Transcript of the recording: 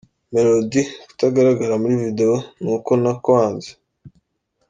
Melodie kutagaragara muri video ni uko nakwanze ,.